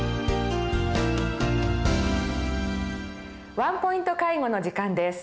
「ワンポイント介護」の時間です。